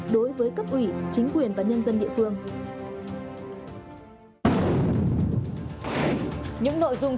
đối với cấp ủy chính quyền và nhân dân địa phương